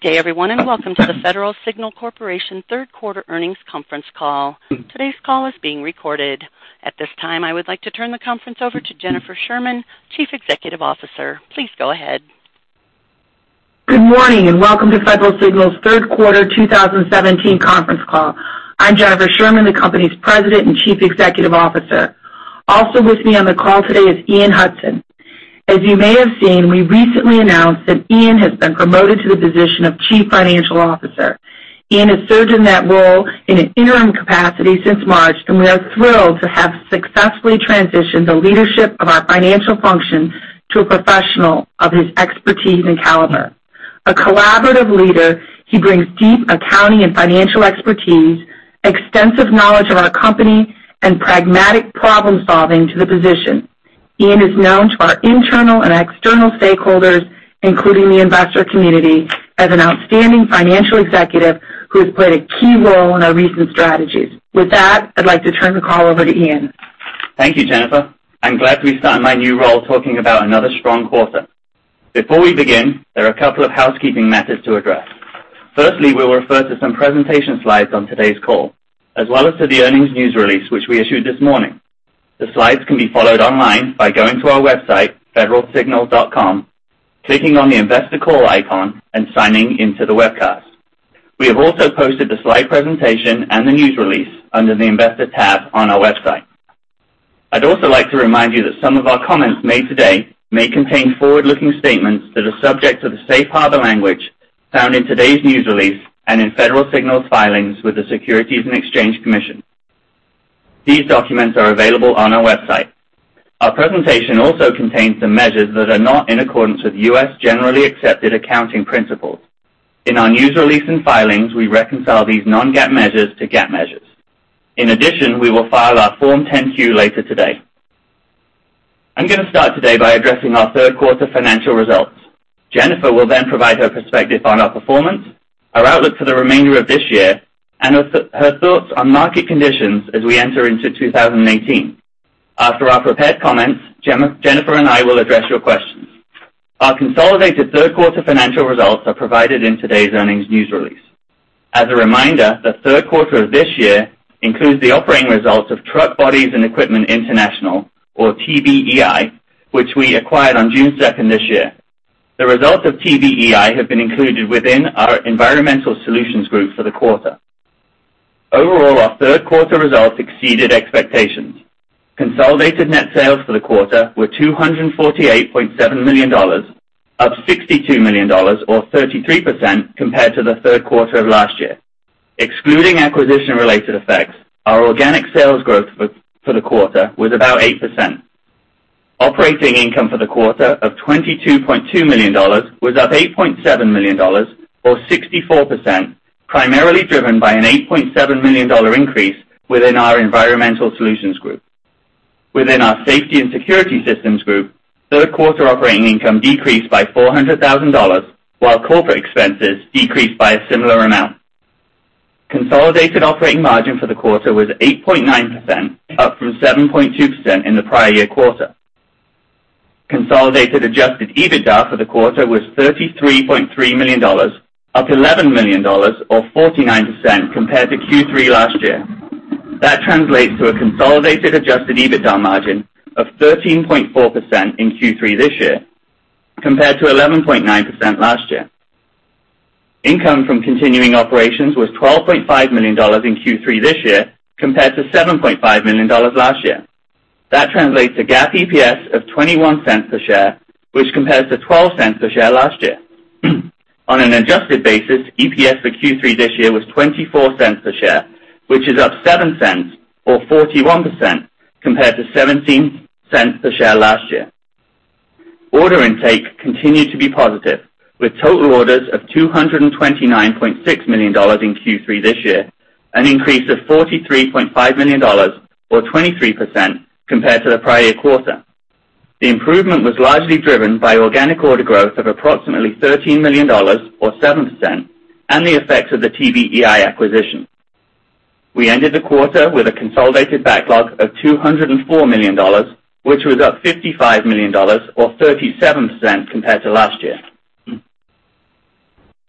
Good day everyone, welcome to the Federal Signal Corporation third quarter earnings conference call. Today's call is being recorded. At this time, I would like to turn the conference over to Jennifer Sherman, Chief Executive Officer. Please go ahead. Good morning, welcome to Federal Signal's third quarter 2017 conference call. I'm Jennifer Sherman, the company's President and Chief Executive Officer. Also with me on the call today is Ian Hudson. As you may have seen, we recently announced that Ian has been promoted to the position of Chief Financial Officer. Ian has served in that role in an interim capacity since March. We are thrilled to have successfully transitioned the leadership of our financial function to a professional of his expertise and caliber. A collaborative leader, he brings deep accounting and financial expertise, extensive knowledge of our company, and pragmatic problem-solving to the position. Ian is known to our internal and external stakeholders, including the investor community, as an outstanding financial executive who has played a key role in our recent strategies. With that, I'd like to turn the call over to Ian. Thank you, Jennifer. I'm glad to be starting my new role talking about another strong quarter. Before we begin, there are a couple of housekeeping matters to address. Firstly, we'll refer to some presentation slides on today's call, as well as to the earnings news release, which we issued this morning. The slides can be followed online by going to our website, federalsignal.com, clicking on the Investor Call icon, signing into the webcast. We have also posted the slide presentation and the news release under the Investor tab on our website. I'd also like to remind you that some of our comments made today may contain forward-looking statements that are subject to the safe harbor language found in today's news release and in Federal Signal's filings with the Securities and Exchange Commission. These documents are available on our website. Our presentation also contains some measures that are not in accordance with U.S. Generally Accepted Accounting Principles. In our news release and filings, we reconcile these non-GAAP measures to GAAP measures. In addition, we will file our Form 10-Q later today. I'm going to start today by addressing our third quarter financial results. Jennifer will provide her perspective on our performance, our outlook for the remainder of this year, and her thoughts on market conditions as we enter into 2018. After our prepared comments, Jennifer and I will address your questions. Our consolidated third quarter financial results are provided in today's earnings news release. As a reminder, the third quarter of this year includes the operating results of Truck Bodies and Equipment International, or TBEI, which we acquired on June 2nd this year. The results of TBEI have been included within our Environmental Solutions Group for the quarter. Overall, our third quarter results exceeded expectations. Consolidated net sales for the quarter were $248.7 million, up $62 million or 33% compared to the third quarter of last year. Excluding acquisition-related effects, our organic sales growth for the quarter was about 8%. Operating income for the quarter of $22.2 million was up $8.7 million or 64%, primarily driven by an $8.7 million increase within our Environmental Solutions Group. Within our Safety and Security Systems Group, third quarter operating income decreased by $400,000, while corporate expenses decreased by a similar amount. Consolidated operating margin for the quarter was 8.9%, up from 7.2% in the prior year quarter. Consolidated adjusted EBITDA for the quarter was $33.3 million, up $11 million or 49% compared to Q3 last year. That translates to a consolidated adjusted EBITDA margin of 13.4% in Q3 this year, compared to 11.9% last year. Income from continuing operations was $12.5 million in Q3 this year, compared to $7.5 million last year. That translates a GAAP EPS of $0.21 per share, which compares to $0.12 per share last year. On an adjusted basis, EPS for Q3 this year was $0.24 per share, which is up $0.07 or 41% compared to $0.17 per share last year. Order intake continued to be positive with total orders of $229.6 million in Q3 this year, an increase of $43.5 million or 23% compared to the prior year quarter. The improvement was largely driven by organic order growth of approximately $13 million or 7% and the effects of the TBEI acquisition. We ended the quarter with a consolidated backlog of $204 million, which was up $55 million or 37% compared to last year.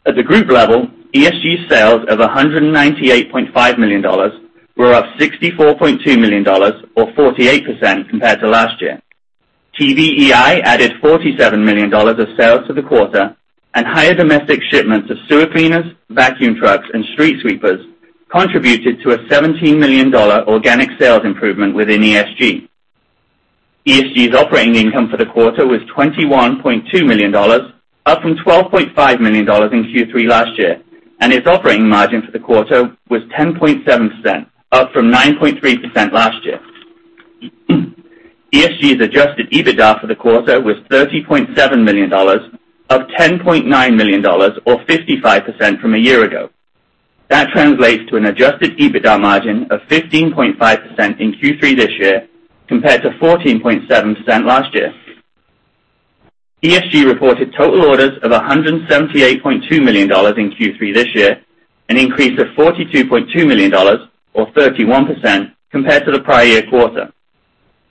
At the group level, ESG's sales of $198.5 million were up $64.2 million or 48% compared to last year. TBEI added $47 million of sales to the quarter and higher domestic shipments of sewer cleaners, vacuum trucks, and street sweepers contributed to a $17 million organic sales improvement within ESG. ESG's operating income for the quarter was $21.2 million, up from $12.5 million in Q3 last year, and its operating margin for the quarter was 10.7%, up from 9.3% last year. ESG's adjusted EBITDA for the quarter was $30.7 million, up $10.9 million or 55% from a year ago. That translates to an adjusted EBITDA margin of 15.5% in Q3 this year compared to 14.7% last year. ESG reported total orders of $178.2 million in Q3 this year, an increase of $42.2 million or 31% compared to the prior year quarter.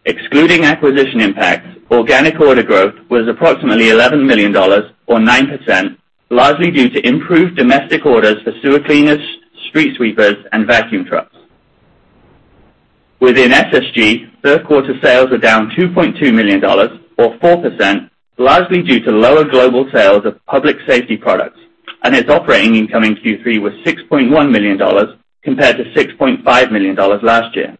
Excluding acquisition impacts, organic order growth was approximately $11 million, or 9%, largely due to improved domestic orders for sewer cleaners, street sweepers, and vacuum trucks. Within SSG, third quarter sales were down $2.2 million, or 4%, largely due to lower global sales of public safety products, and its operating income in Q3 was $6.1 million compared to $6.5 million last year.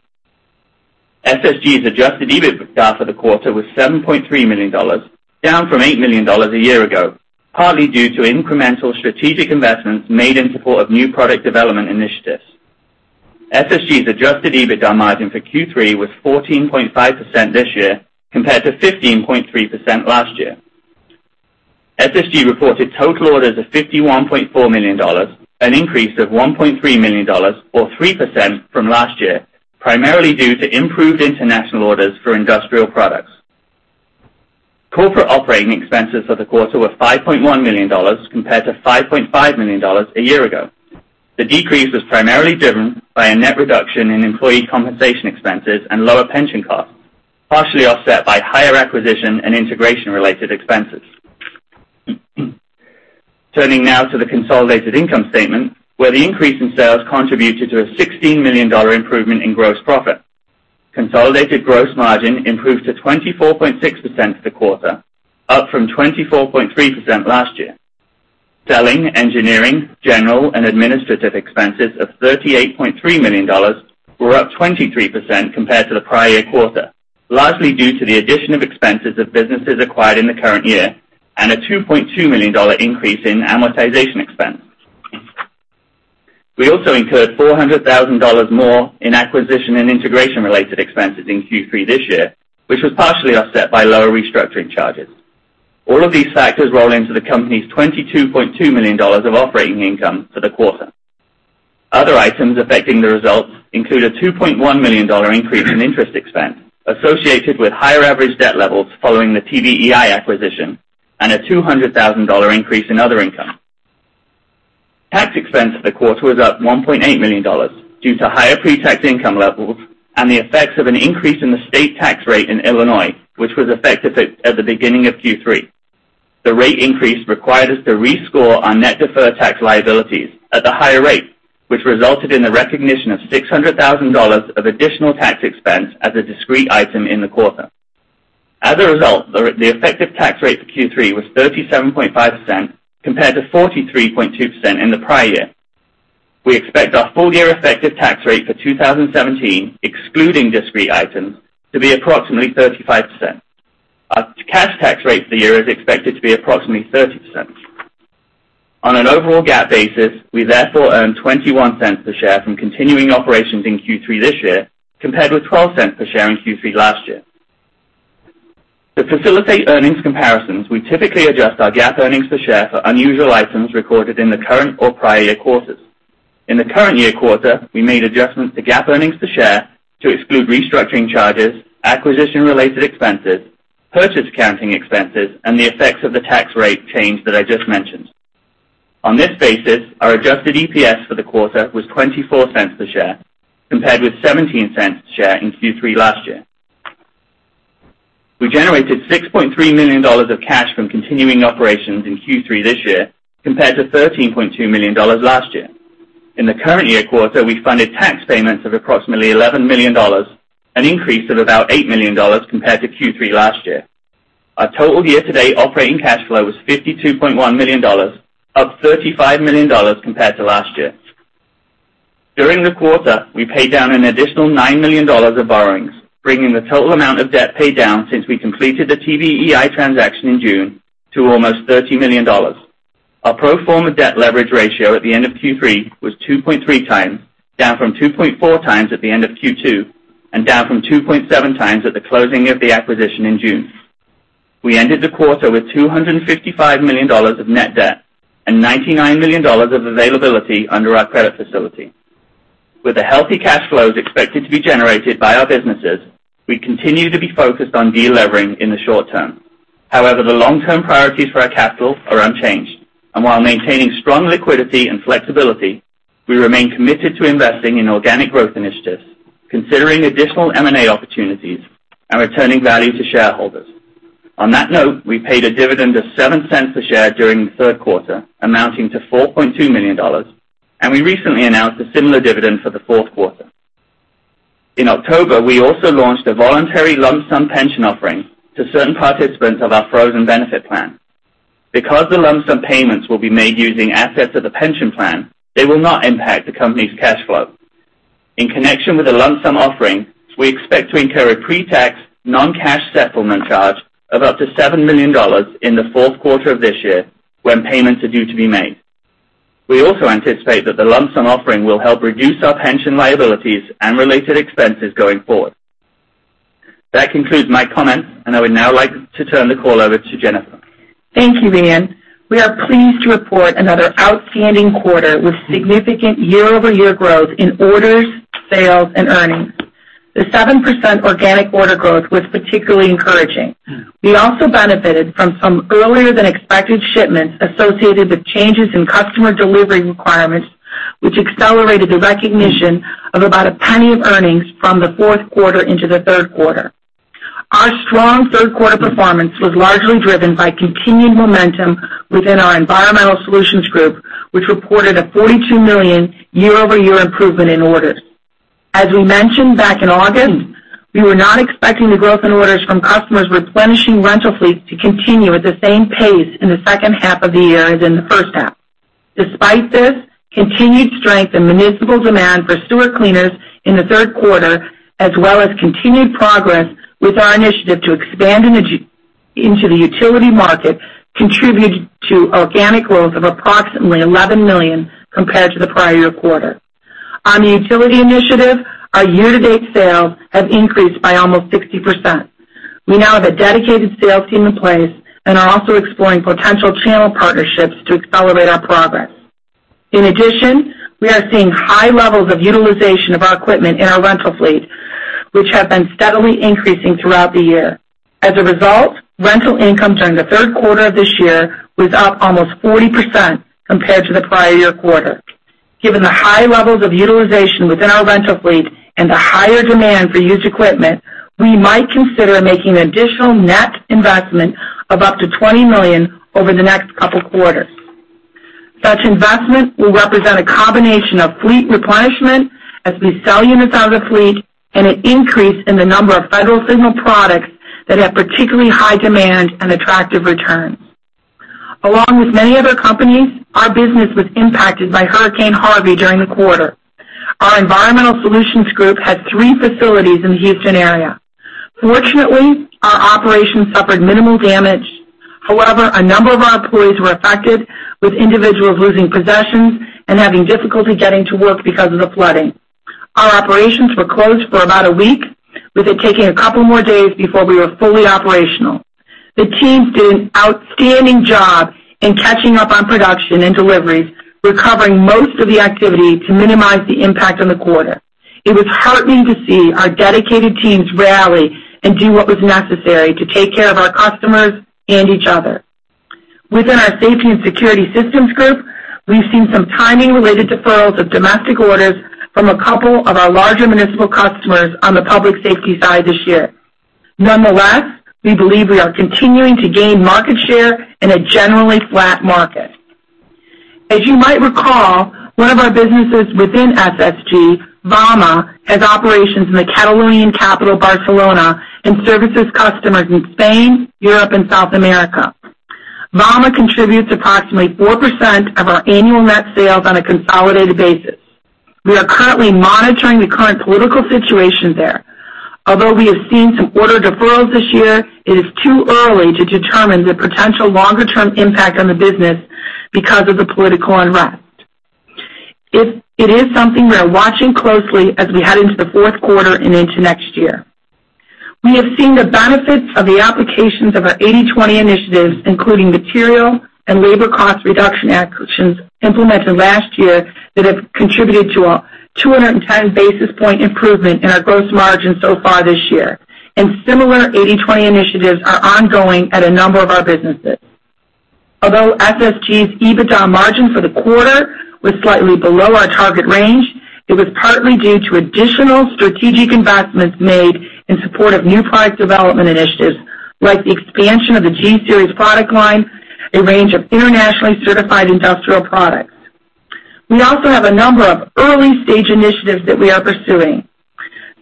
SSG's adjusted EBITDA for the quarter was $7.3 million, down from $8 million a year ago, partly due to incremental strategic investments made in support of new product development initiatives. SSG's adjusted EBITDA margin for Q3 was 14.5% this year, compared to 15.3% last year. SSG reported total orders of $51.4 million, an increase of $1.3 million or 3% from last year, primarily due to improved international orders for industrial products. Corporate operating expenses for the quarter were $5.1 million compared to $5.5 million a year ago. The decrease was primarily driven by a net reduction in employee compensation expenses and lower pension costs, partially offset by higher acquisition and integration related expenses. Turning now to the consolidated income statement, where the increase in sales contributed to a $16 million improvement in gross profit. Consolidated gross margin improved to 24.6% for the quarter, up from 24.3% last year. Selling, engineering, general, and administrative expenses of $38.3 million were up 23% compared to the prior year quarter, largely due to the addition of expenses of businesses acquired in the current year and a $2.2 million increase in amortization expense. We also incurred $400,000 more in acquisition and integration related expenses in Q3 this year, which was partially offset by lower restructuring charges. All of these factors roll into the company's $22.2 million of operating income for the quarter. Other items affecting the results include a $2.1 million increase in interest expense associated with higher average debt levels following the TBEI acquisition and a $200,000 increase in other income. Tax expense for the quarter was up $1.8 million due to higher pre-tax income levels and the effects of an increase in the state tax rate in Illinois, which was effective at the beginning of Q3. The rate increase required us to rescore our net deferred tax liabilities at the higher rate, which resulted in the recognition of $600,000 of additional tax expense as a discrete item in the quarter. As a result, the effective tax rate for Q3 was 37.5% compared to 43.2% in the prior year. We expect our full year effective tax rate for 2017, excluding discrete items, to be approximately 35%. Our cash tax rate for the year is expected to be approximately 30%. On an overall GAAP basis, we therefore earned $0.21 per share from continuing operations in Q3 this year, compared with $0.12 per share in Q3 last year. To facilitate earnings comparisons, we typically adjust our GAAP earnings per share for unusual items recorded in the current or prior year quarters. In the current year quarter, we made adjustments to GAAP earnings per share to exclude restructuring charges, acquisition related expenses, purchase accounting expenses, and the effects of the tax rate change that I just mentioned. On this basis, our adjusted EPS for the quarter was $0.24 per share compared with $0.17 a share in Q3 last year. We generated $6.3 million of cash from continuing operations in Q3 this year compared to $13.2 million last year. In the current year quarter, we funded tax payments of approximately $11 million, an increase of about $8 million compared to Q3 last year. Our total year to date operating cash flow was $52.1 million, up $35 million compared to last year. During the quarter, we paid down an additional $9 million of borrowings, bringing the total amount of debt paid down since we completed the TBEI transaction in June to almost $30 million. Our pro forma debt leverage ratio at the end of Q3 was 2.3 times, down from 2.4 times at the end of Q2 and down from 2.7 times at the closing of the acquisition in June. We ended the quarter with $255 million of net debt and $99 million of availability under our credit facility. With the healthy cash flows expected to be generated by our businesses, we continue to be focused on de-levering in the short term. However, the long-term priorities for our capital are unchanged, and while maintaining strong liquidity and flexibility, we remain committed to investing in organic growth initiatives, considering additional M&A opportunities, and returning value to shareholders. On that note, we paid a dividend of $0.07 per share during the third quarter, amounting to $4.2 million, and we recently announced a similar dividend for the fourth quarter. In October, we also launched a voluntary lump sum pension offering to certain participants of our frozen benefit plan. Because the lump sum payments will be made using assets of the pension plan, they will not impact the company's cash flow. In connection with the lump sum offering, we expect to incur a pre-tax, non-cash settlement charge of up to $7 million in the fourth quarter of this year when payments are due to be made. We also anticipate that the lump sum offering will help reduce our pension liabilities and related expenses going forward. That concludes my comments, and I would now like to turn the call over to Jennifer. Thank you, Ian. We are pleased to report another outstanding quarter with significant year-over-year growth in orders, sales, and earnings. The 7% organic order growth was particularly encouraging. We also benefited from some earlier than expected shipments associated with changes in customer delivery requirements, which accelerated the recognition of about $0.01 of earnings from the fourth quarter into the third quarter. Our strong third quarter performance was largely driven by continued momentum within our Environmental Solutions Group, which reported a $42 million year-over-year improvement in orders. As we mentioned back in August, we were not expecting the growth in orders from customers replenishing rental fleets to continue at the same pace in the second half of the year as in the first half. Despite this, continued strength in municipal demand for sewer cleaners in the third quarter, as well as continued progress with our initiative to expand into the utility market contributed to organic growth of approximately $11 million compared to the prior year quarter. On the utility initiative, our year-to-date sales have increased by almost 60%. We now have a dedicated sales team in place and are also exploring potential channel partnerships to accelerate our progress. In addition, we are seeing high levels of utilization of our equipment in our rental fleet, which have been steadily increasing throughout the year. As a result, rental income during the third quarter of this year was up almost 40% compared to the prior year quarter. Given the high levels of utilization within our rental fleet and the higher demand for used equipment, we might consider making additional net investment of up to $20 million over the next couple quarters. Such investment will represent a combination of fleet replenishment as we sell units out of the fleet, and an increase in the number of Federal Signal products that have particularly high demand and attractive returns. Along with many other companies, our business was impacted by Hurricane Harvey during the quarter. Our Environmental Solutions Group had three facilities in the Houston area. Fortunately, our operations suffered minimal damage. However, a number of our employees were affected, with individuals losing possessions and having difficulty getting to work because of the flooding. Our operations were closed for about a week, with it taking a couple more days before we were fully operational. The teams did an outstanding job in catching up on production and deliveries, recovering most of the activity to minimize the impact on the quarter. It was heartening to see our dedicated teams rally and do what was necessary to take care of our customers and each other. Within our Safety and Security Systems Group, we've seen some timing-related deferrals of domestic orders from a couple of our larger municipal customers on the public safety side this year. Nonetheless, we believe we are continuing to gain market share in a generally flat market. As you might recall, one of our businesses within SSG, VAMA, has operations in the Catalonian capital, Barcelona, and services customers in Spain, Europe, and South America. VAMA contributes approximately 4% of our annual net sales on a consolidated basis. We are currently monitoring the current political situation there. Although we have seen some order deferrals this year, it is too early to determine the potential longer-term impact on the business because of the political unrest. It is something we are watching closely as we head into the fourth quarter and into next year. We have seen the benefits of the applications of our 80/20 initiatives, including material and labor cost reduction actions implemented last year that have contributed to a 210-basis-point improvement in our gross margin so far this year, and similar 80/20 initiatives are ongoing at a number of our businesses. Although SSG's EBITDA margin for the quarter was slightly below our target range, it was partly due to additional strategic investments made in support of new product development initiatives, like the expansion of the Global Series product line, a range of internationally certified industrial products. We also have a number of early-stage initiatives that we are pursuing.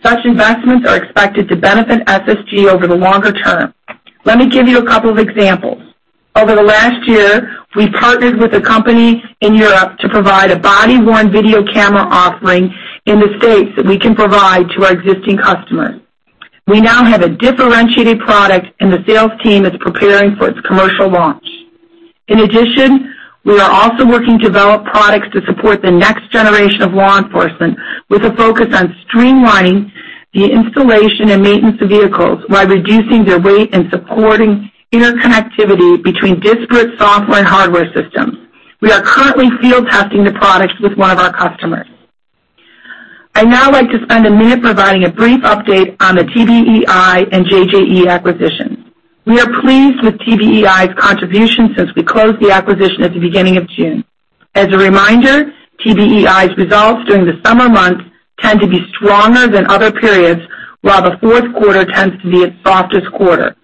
Such investments are expected to benefit SSG over the longer term. Let me give you a couple of examples. Over the last year, we partnered with a company in Europe to provide a body-worn video camera offering in the U.S. that we can provide to our existing customers. We now have a differentiated product, and the sales team is preparing for its commercial launch. In addition, we are also working to develop products to support the next generation of law enforcement, with a focus on streamlining the installation and maintenance of vehicles while reducing their weight and supporting interconnectivity between disparate software and hardware systems. We are currently field testing the products with one of our customers. I'd now like to spend a minute providing a brief update on the TBEI and JJE acquisitions. We are pleased with TBEI's contribution since we closed the acquisition at the beginning of June. As a reminder, TBEI's results during the summer months tend to be stronger than other periods, while the fourth quarter tends to be its softest quarter.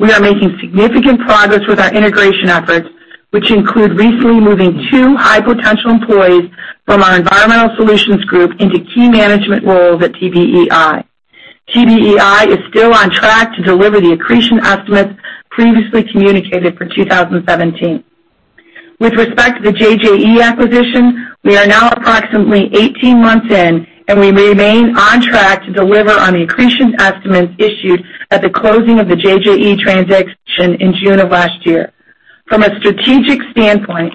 We are making significant progress with our integration efforts, which include recently moving two high-potential employees from our Environmental Solutions Group into key management roles at TBEI. TBEI is still on track to deliver the accretion estimates previously communicated for 2017. With respect to the JJE acquisition, we are now approximately 18 months in, and we remain on track to deliver on the accretion estimates issued at the closing of the JJE transaction in June of last year. From a strategic standpoint,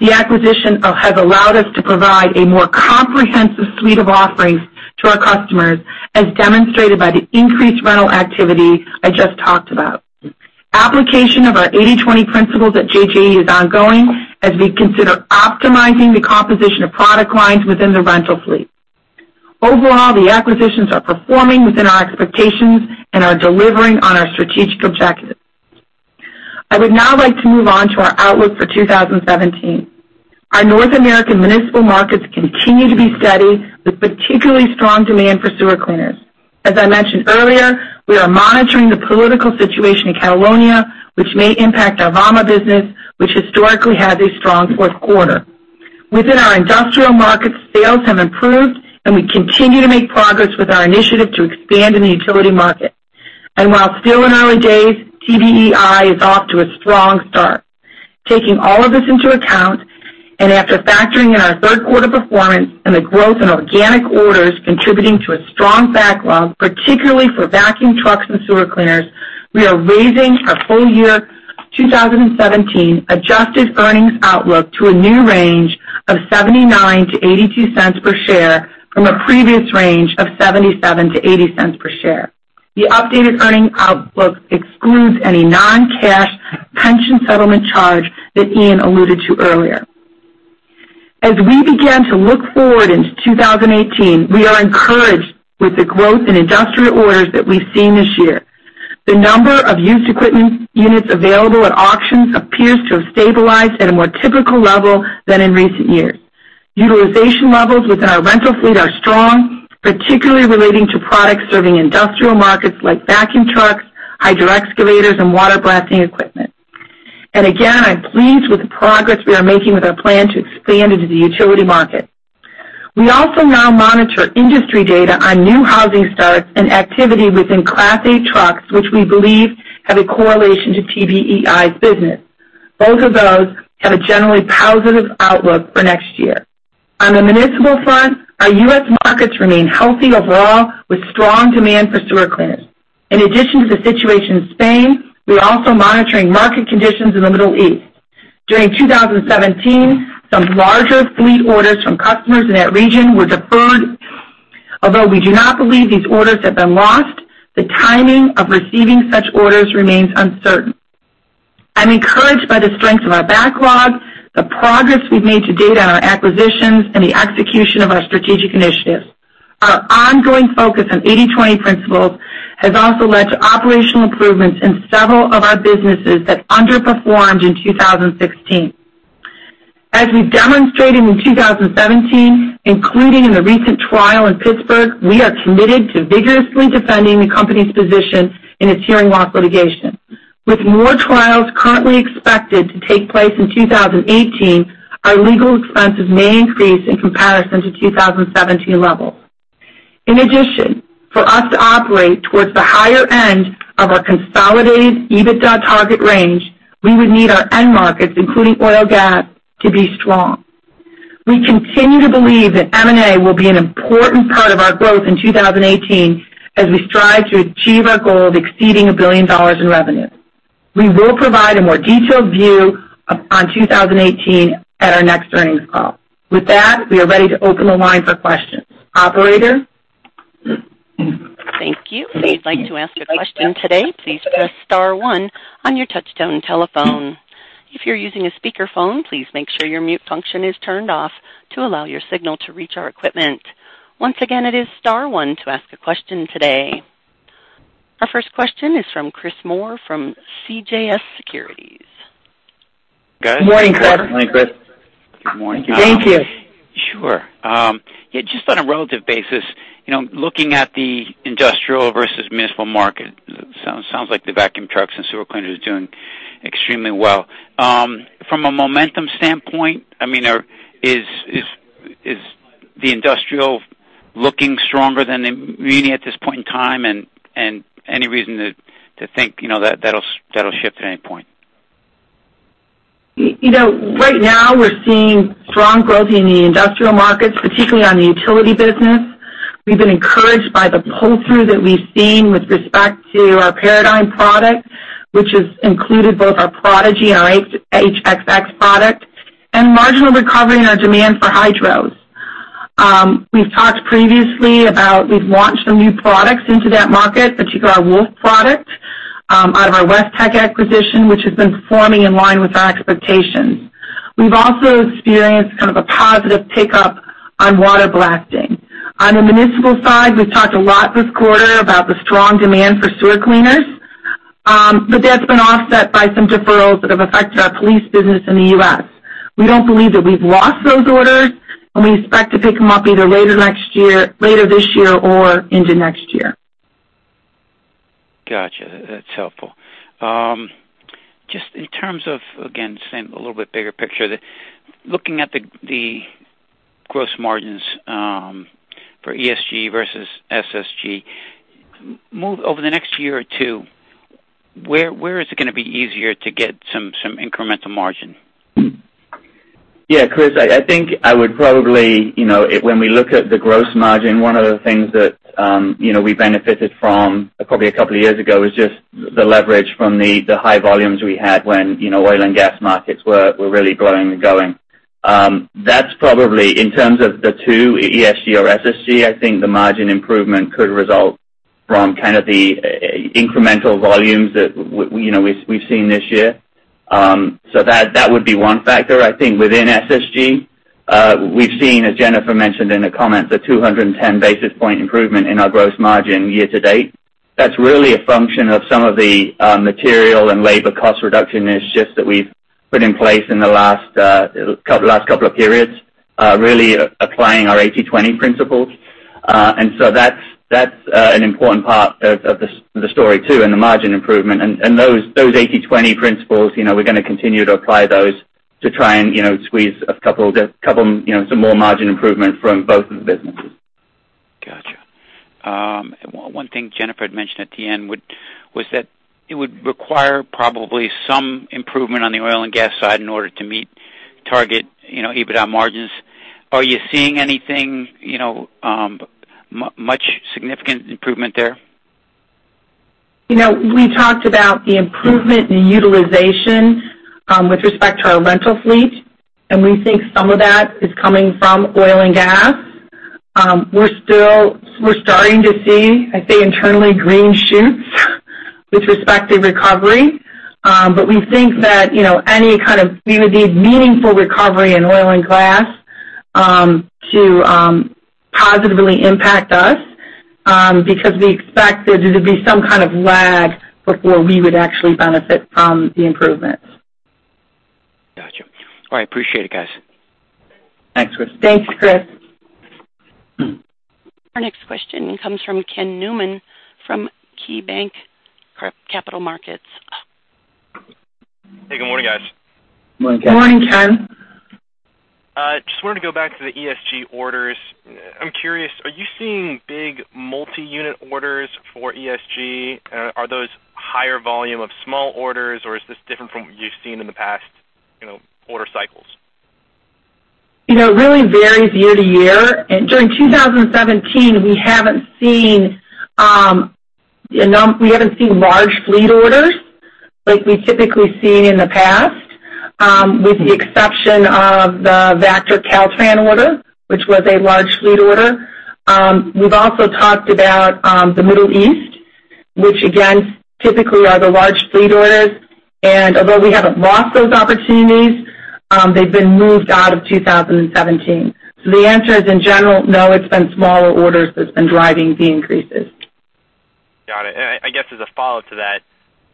the acquisition has allowed us to provide a more comprehensive suite of offerings to our customers, as demonstrated by the increased rental activity I just talked about. Application of our 80/20 principles at JJE is ongoing as we consider optimizing the composition of product lines within the rental fleet. Overall, the acquisitions are performing within our expectations and are delivering on our strategic objectives. I would now like to move on to our outlook for 2017. Our North American municipal markets continue to be steady, with particularly strong demand for sewer cleaners. As I mentioned earlier, we are monitoring the political situation in Catalonia, which may impact our VAMA business, which historically has a strong fourth quarter. Within our industrial markets, sales have improved, and we continue to make progress with our initiative to expand in the utility market. While still in early days, TBEI is off to a strong start. Taking all of this into account, after factoring in our third quarter performance and the growth in organic orders contributing to a strong backlog, particularly for vacuum trucks and sewer cleaners, we are raising our full year 2017 adjusted earnings outlook to a new range of $0.79-$0.82 per share from a previous range of $0.77-$0.80 per share. The updated earnings outlook excludes any non-cash pension settlement charge that Ian alluded to earlier. As we begin to look forward into 2018, we are encouraged with the growth in industrial orders that we've seen this year. The number of used equipment units available at auctions appears to have stabilized at a more typical level than in recent years. Utilization levels within our rental fleet are strong, particularly relating to products serving industrial markets like vacuum trucks, hydro excavators, and water blasting equipment. Again, I'm pleased with the progress we are making with our plan to expand into the utility market. We also now monitor industry data on new housing starts and activity within Class 8 trucks, which we believe have a correlation to TBEI's business. Both of those have a generally positive outlook for next year. On the municipal front, our U.S. markets remain healthy overall with strong demand for sewer cleaners. In addition to the situation in Spain, we're also monitoring market conditions in the Middle East. During 2017, some larger fleet orders from customers in that region were deferred. Although we do not believe these orders have been lost, the timing of receiving such orders remains uncertain. I'm encouraged by the strength of our backlog, the progress we've made to date on our acquisitions, and the execution of our strategic initiatives. Our ongoing focus on 80/20 principles has also led to operational improvements in several of our businesses that underperformed in 2016. As we've demonstrated in 2017, including in the recent trial in Pittsburgh, we are committed to vigorously defending the company's position in its hearing loss litigation. With more trials currently expected to take place in 2018, our legal expenses may increase in comparison to 2017 levels. For us to operate towards the higher end of our consolidated EBITDA target range, we would need our end markets, including oil and gas, to be strong. We continue to believe that M&A will be an important part of our growth in 2018 as we strive to achieve our goal of exceeding $1 billion in revenue. We will provide a more detailed view on 2018 at our next earnings call. We are ready to open the line for questions. Operator? Thank you. If you'd like to ask a question today, please press star one on your touch-tone telephone. If you're using a speakerphone, please make sure your mute function is turned off to allow your signal to reach our equipment. Once again, it is star one to ask a question today. Our first question is from Chris Moore from CJS Securities. Good morning, Chris. Good morning. Thank you. Sure. Just on a relative basis, looking at the industrial versus municipal market, sounds like the vacuum trucks and sewer cleaners are doing extremely well. From a momentum standpoint, is the industrial looking stronger than the municipal at this point in time? Any reason to think that'll shift at any point? Right now we're seeing strong growth in the industrial markets, particularly on the utility business. We've been encouraged by the pull-through that we've seen with respect to our Paradigm product, which has included both our Prodigy and our HXX product, and marginal recovery in our demand for hydros. We've talked previously about we've launched some new products into that market, particularly our Wolf product out of our Westech acquisition, which has been performing in line with our expectations. We've also experienced kind of a positive pickup on water blasting. On the municipal side, we've talked a lot this quarter about the strong demand for sewer cleaners, but that's been offset by some deferrals that have affected our police business in the U.S. We don't believe that we've lost those orders, we expect to pick them up either later this year or into next year. Got you. That's helpful. Just in terms of, again, same a little bit bigger picture, looking at the gross margins for ESG versus SSG, over the next year or two, where is it going to be easier to get some incremental margin? Yeah, Chris, I think when we look at the gross margin, one of the things that we benefited from probably a couple of years ago was just the leverage from the high volumes we had when oil and gas markets were really blowing and going. That's probably in terms of the two, ESG or SSG, I think the margin improvement could result from kind of the incremental volumes that we've seen this year. That would be one factor. I think within SSG, we've seen, as Jennifer mentioned in a comment, the 210 basis point improvement in our gross margin year to date. That's really a function of some of the material and labor cost reduction initiatives that we've put in place in the last couple of periods, really applying our 80/20 principles. That's an important part of the story too, and the margin improvement. Those 80/20 principles, we're going to continue to apply those to try and squeeze some more margin improvement from both of the businesses. Got you. One thing Jennifer had mentioned at the end was that it would require probably some improvement on the oil and gas side in order to meet target EBITDA margins. Are you seeing anything, much significant improvement there? We talked about the improvement in utilization with respect to our rental fleet. We think some of that is coming from oil and gas. We are starting to see, I would say, internally, green shoots with respect to recovery. We think that we would need meaningful recovery in oil and gas to positively impact us, because we expect there to be some kind of lag before we would actually benefit from the improvements. Got you. All right, appreciate it, guys. Thanks, Chris. Thanks, Chris. Our next question comes from Ken Newman from KeyBanc Capital Markets. Hey, good morning, guys. Morning, Ken. Morning, Ken. Just wanted to go back to the ESG orders. I'm curious, are you seeing big multi-unit orders for ESG? Are those higher volume of small orders, or is this different from what you've seen in the past order cycles? It really varies year to year. During 2017, we haven't seen large fleet orders like we've typically seen in the past, with the exception of the Vactor Caltrans order, which was a large fleet order. We've also talked about the Middle East, which again, typically are the large fleet orders. Although we haven't lost those opportunities, they've been moved out of 2017. The answer is, in general, no, it's been smaller orders that's been driving the increases. Got it. I guess as a follow-up to that,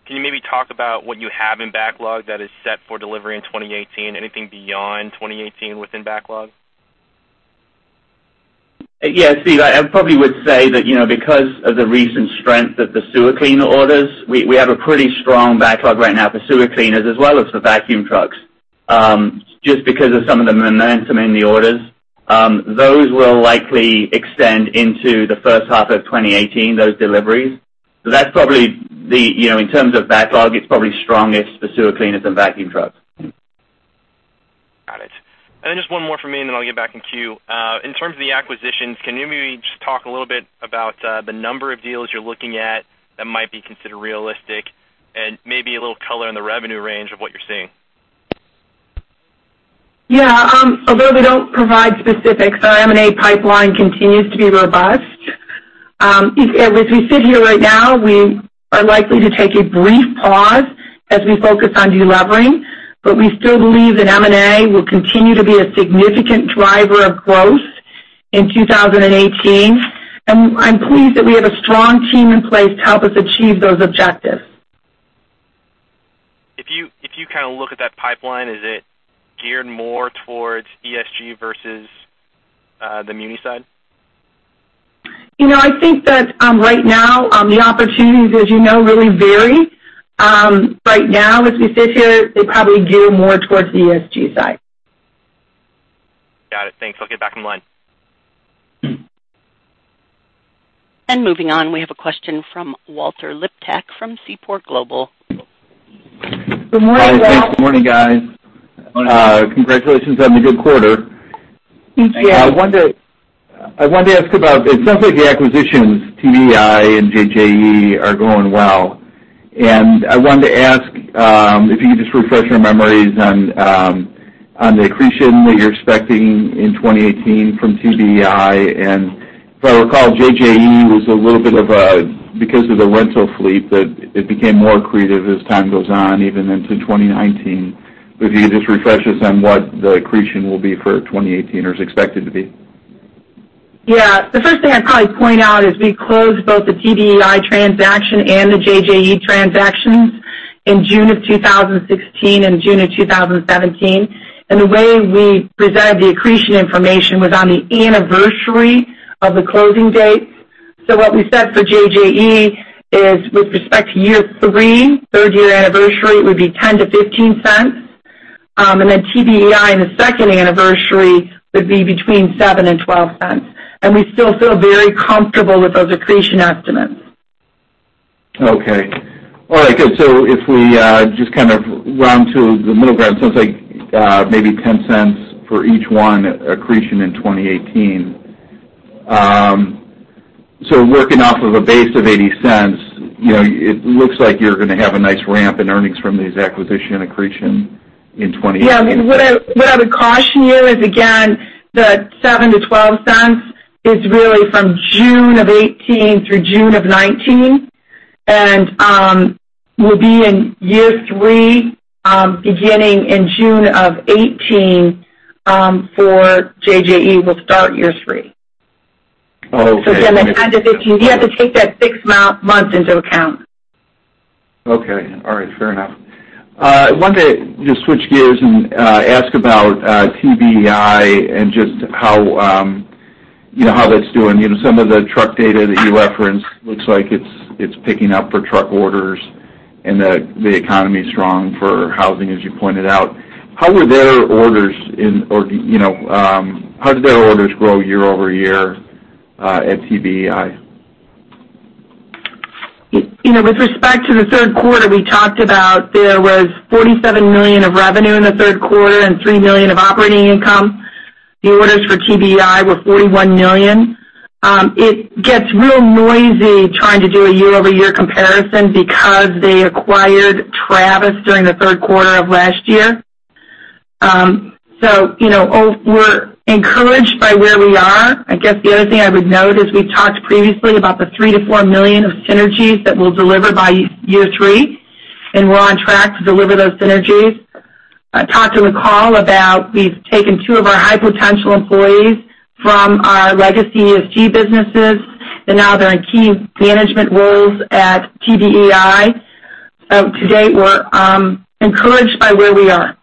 can you maybe talk about what you have in backlog that is set for delivery in 2018? Anything beyond 2018 within backlog? Yeah, Steve, I probably would say that because of the recent strength of the sewer cleaner orders, we have a pretty strong backlog right now for sewer cleaners as well as for vacuum trucks. Just because of some of the momentum in the orders. Those will likely extend into the first half of 2018, those deliveries. In terms of backlog, it's probably strongest for sewer cleaners and vacuum trucks. Got it. Just one more from me, then I'll get back in queue. In terms of the acquisitions, can you maybe just talk a little bit about the number of deals you're looking at that might be considered realistic, and maybe a little color on the revenue range of what you're seeing? Yeah. Although we don't provide specifics, our M&A pipeline continues to be robust. As we sit here right now, we are likely to take a brief pause as we focus on de-levering, but we still believe that M&A will continue to be a significant driver of growth in 2018. I'm pleased that we have a strong team in place to help us achieve those objectives. If you kind of look at that pipeline, is it geared more towards ESG versus the muni side? I think that right now, the opportunities, as you know, really vary. Right now, as we sit here, they probably gear more towards the ESG side. Got it. Thanks. I'll get back in line. Moving on, we have a question from Walter Liptak from Seaport Global. Good morning, Walter. Thanks. Good morning, guys. Morning. Congratulations on the good quarter. Thank you. I wanted to ask about, it sounds like the acquisitions, TBEI and JJE, are going well. I wanted to ask if you could just refresh our memories on the accretion that you're expecting in 2018 from TBEI. If I recall, JJE was a little bit of a, because of the rental fleet, that it became more accretive as time goes on, even into 2019. If you could just refresh us on what the accretion will be for 2018 or is expected to be. Yeah. The first thing I'd probably point out is we closed both the TBEI transaction and the JJE transactions in June of 2016 and June of 2017. The way we presented the accretion information was on the anniversary of the closing dates. What we said for JJE is with respect to year three, third year anniversary, it would be $0.10-$0.15. Then TBEI in the second anniversary would be between $0.07 and $0.12. We still feel very comfortable with those accretion estimates. Okay. All right, good. If we just kind of round to the middle ground, sounds like maybe $0.10 for each one accretion in 2018. Working off of a base of $0.80, it looks like you're going to have a nice ramp in earnings from these acquisition accretions. Yeah. I mean, what I would caution you is, again, the $0.07-$0.12 is really from June of 2018 through June of 2019, and we'll be in year three, beginning in June of 2018 for JJE will start year three. Oh, okay. Again, that kind of 15, you have to take that six months into account. Okay. All right. Fair enough. I wanted to just switch gears and ask about TBEI and just how that's doing. Some of the truck data that you referenced looks like it's picking up for truck orders and the economy's strong for housing, as you pointed out. How did their orders grow year-over-year at TBEI? With respect to the third quarter, we talked about there was $47 million of revenue in the third quarter and $3 million of operating income. The orders for TBEI were $41 million. It gets real noisy trying to do a year-over-year comparison because they acquired Travis during the third quarter of last year. We're encouraged by where we are. I guess the other thing I would note is we talked previously about the $3 million-$4 million of synergies that we'll deliver by year three. We're on track to deliver those synergies. I talked to McCall about we've taken two of our high potential employees from our legacy ESG businesses, and now they're in key management roles at TBEI. To date, we're encouraged by where we are.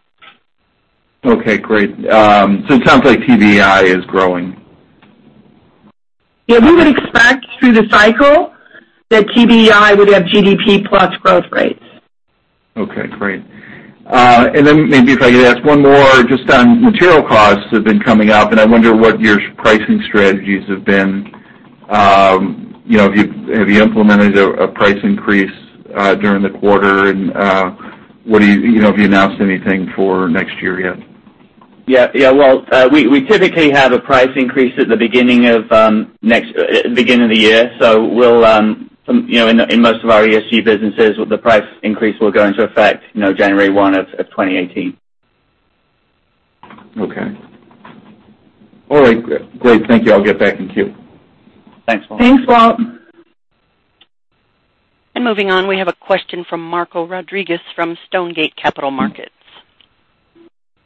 Okay, great. It sounds like TBEI is growing. We would expect through the cycle that TBEI would have GDP plus growth rates. Okay, great. Maybe if I could ask one more just on material costs have been coming up. I wonder what your pricing strategies have been. Have you implemented a price increase during the quarter? Have you announced anything for next year yet? Well, we typically have a price increase at the beginning of the year. In most of our ESG businesses, the price increase will go into effect January 1st of 2018. Okay. All right. Great. Thank you. I'll get back in queue. Thanks, Walt. Thanks, Walt. Moving on, we have a question from Marco Rodriguez from Stonegate Capital Markets.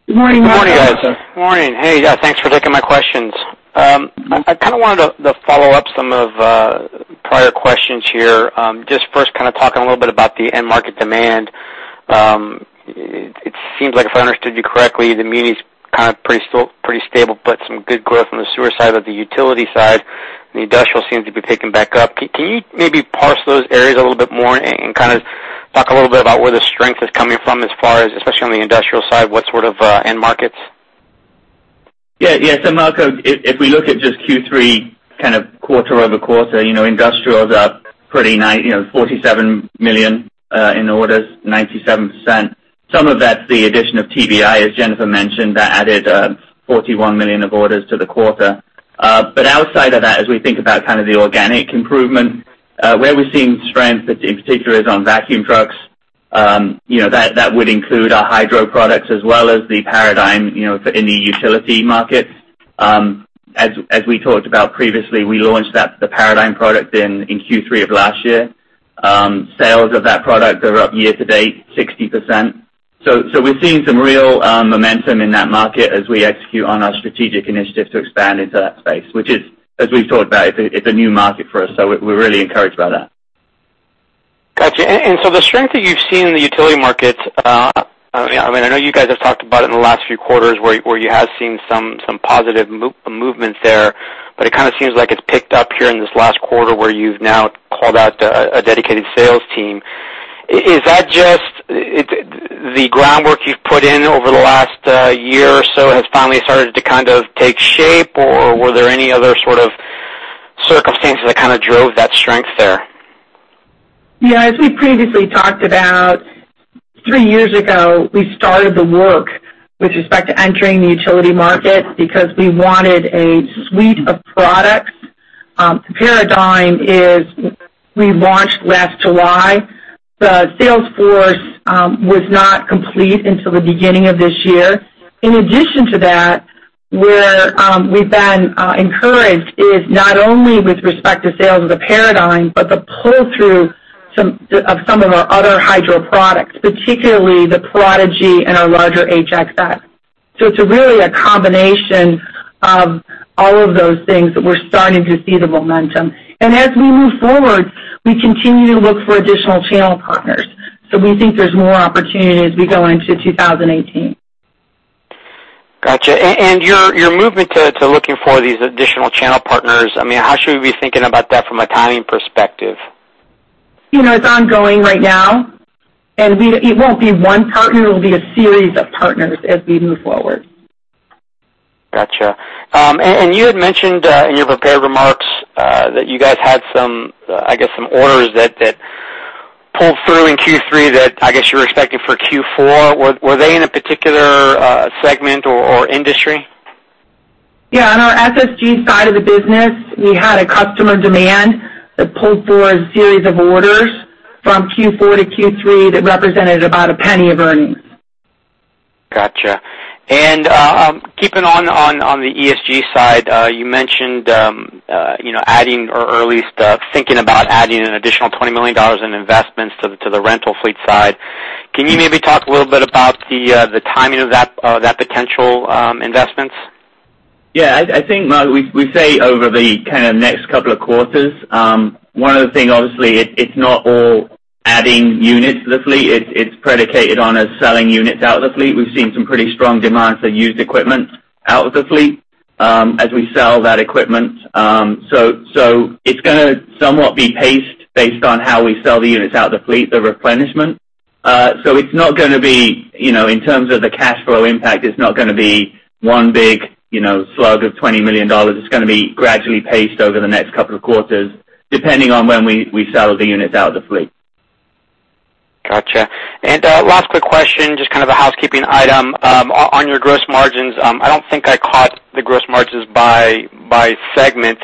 Good morning. Good morning, guys. Good morning. Morning. Hey, thanks for taking my questions. I kind of wanted to follow up some of prior questions here. First, talking a little bit about the end market demand. It seems like if I understood you correctly, the market's kind of pretty stable, but some good growth on the sewer side of the utility side, the industrial seems to be picking back up. Can you maybe parse those areas a little bit more and kind of talk a little bit about where the strength is coming from as far as, especially on the industrial side, what sort of end markets? Yeah, Marco, if we look at just Q3 kind of quarter-over-quarter, industrial is up $47 million in orders, 97%. Some of that's the addition of TBEI, as Jennifer mentioned. That added $41 million of orders to the quarter. Outside of that, as we think about kind of the organic improvement, where we're seeing strength in particular is on vacuum trucks. That would include our hydro products as well as the Paradigm in the utility markets. As we talked about previously, we launched the Paradigm product in Q3 of last year. Sales of that product are up year-to-date 60%. We're seeing some real momentum in that market as we execute on our strategic initiative to expand into that space, which is, as we've talked about, it's a new market for us. We're really encouraged by that. Got you. The strength that you've seen in the utility markets, I know you guys have talked about it in the last few quarters where you have seen some positive movements there. It kind of seems like it's picked up here in this last quarter where you've now called out a dedicated sales team. Is that just the groundwork you've put in over the last year or so has finally started to kind of take shape, or were there any other sort of circumstances that kind of drove that strength there? Yeah. As we previously talked about, 3 years ago, we started the work with respect to entering the utility market because we wanted a suite of products. Paradigm we launched last July. The sales force was not complete until the beginning of this year. In addition to that, where we've been encouraged is not only with respect to sales of the Paradigm, but the pull-through of some of our other hydro products, particularly the Prodigy and our larger HXX. It's really a combination of all of those things that we're starting to see the momentum. As we move forward, we continue to look for additional channel partners. We think there's more opportunity as we go into 2018. Got you. Your movement to looking for these additional channel partners, how should we be thinking about that from a timing perspective? It's ongoing right now, and it won't be one partner, it will be a series of partners as we move forward. Got you. You had mentioned in your prepared remarks, that you guys had some orders that pulled through in Q3 that I guess you were expecting for Q4. Were they in a particular segment or industry? Yeah. On our SSG side of the business, we had a customer demand that pulled forward a series of orders from Q4 to Q3 that represented about $0.01 of earnings. Got you. Keeping on the ESG side, you mentioned adding, or at least thinking about adding, an additional $20 million in investments to the rental fleet side. Can you maybe talk a little bit about the timing of that potential investment? Yeah. I think we say over the kind of next couple of quarters. One of the things, obviously, it's not all adding units to the fleet. It's predicated on us selling units out of the fleet. We've seen some pretty strong demands for used equipment out of the fleet as we sell that equipment. It's going to somewhat be paced based on how we sell the units out of the fleet, the replenishment. In terms of the cash flow impact, it's not going to be one big slug of $20 million. It's going to be gradually paced over the next couple of quarters, depending on when we sell the units out of the fleet. Got you. Last quick question, just kind of a housekeeping item. On your gross margins, I don't think I caught the gross margins by segment,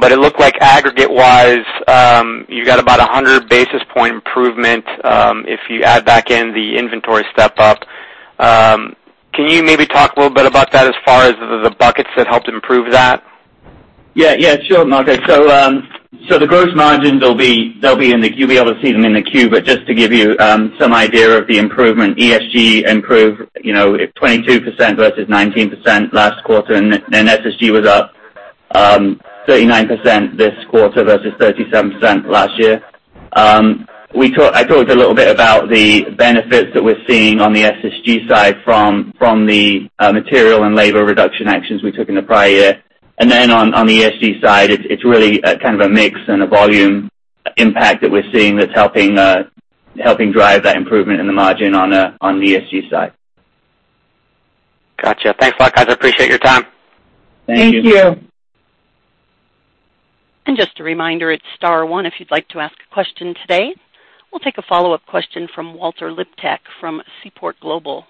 but it looked like aggregate-wise, you got about 100 basis point improvement if you add back in the inventory step-up. Can you maybe talk a little bit about that as far as the buckets that helped improve that? Yeah. Sure, Marco. The gross margins, you'll be able to see them in the Q. Just to give you some idea of the improvement, ESG improved 22% versus 19% last quarter. SSG was up 39% this quarter versus 37% last year. I talked a little bit about the benefits that we're seeing on the SSG side from the material and labor reduction actions we took in the prior year. Then on the ESG side, it's really kind of a mix and a volume impact that we're seeing that's helping drive that improvement in the margin on the ESG side. Got you. Thanks a lot, guys. I appreciate your time. Thank you. Thank you. Just a reminder, it's star one if you'd like to ask a question today. We'll take a follow-up question from Walter Liptak from Seaport Global.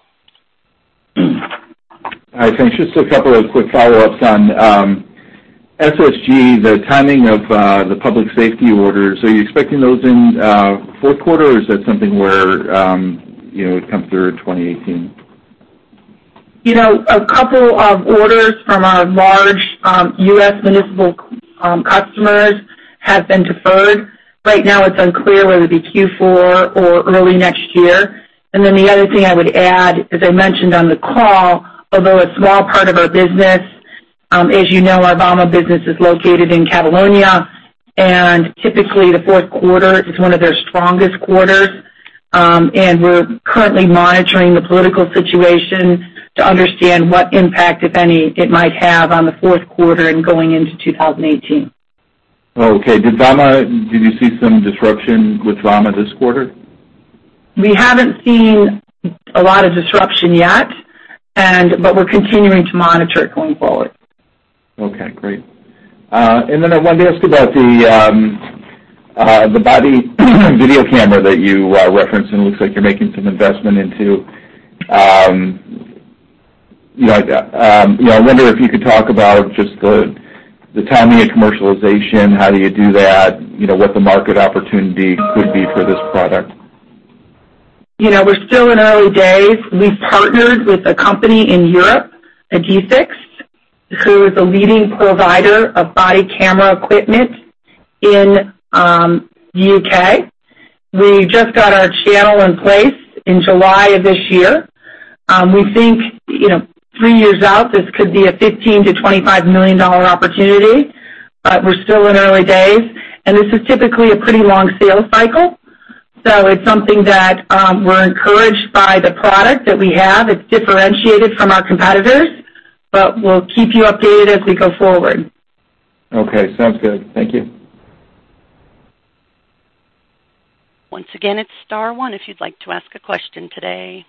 Hi, thanks. Just a couple of quick follow-ups on SSG. The timing of the public safety orders, are you expecting those in fourth quarter, or is that something where it comes through in 2018? A couple of orders from our large U.S. municipal customers have been deferred. Right now, it's unclear whether it would be Q4 or early next year. The other thing I would add, as I mentioned on the call, although a small part of our business, as you know, our VAMA business is located in Catalonia, and typically, the fourth quarter is one of their strongest quarters. We're currently monitoring the political situation to understand what impact, if any, it might have on the fourth quarter and going into 2018. Okay. Did you see some disruption with VAMA this quarter? We haven't seen a lot of disruption yet, but we're continuing to monitor it going forward. Okay, great. I wanted to ask about the body video camera that you referenced and looks like you're making some investment into. I wonder if you could talk about just the timing of commercialization. How do you do that? What the market opportunity could be for this product? We're still in early days. We've partnered with a company in Europe, Edesix, who is a leading provider of body camera equipment in the U.K. We just got our channel in place in July of this year. We think, three years out, this could be a $15 million-$25 million opportunity. We're still in early days, and this is typically a pretty long sales cycle. It's something that we're encouraged by the product that we have. It's differentiated from our competitors. We'll keep you updated as we go forward. Okay, sounds good. Thank you. Once again, it's star one if you'd like to ask a question today.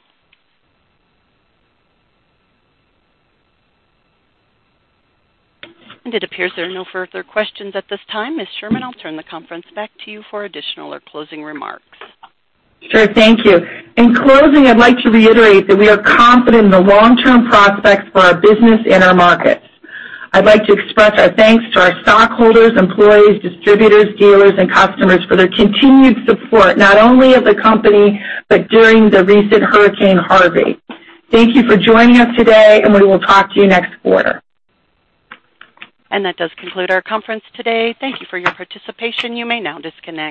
It appears there are no further questions at this time. Ms. Sherman, I'll turn the conference back to you for additional or closing remarks. Sure. Thank you. In closing, I'd like to reiterate that we are confident in the long-term prospects for our business and our markets. I'd like to express our thanks to our stockholders, employees, distributors, dealers, and customers for their continued support, not only of the company, but during the recent Hurricane Harvey. Thank you for joining us today, we will talk to you next quarter. That does conclude our conference today. Thank you for your participation. You may now disconnect.